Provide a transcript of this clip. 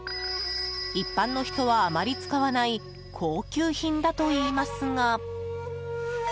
一般の人はあまり使わない高級品だといいますが。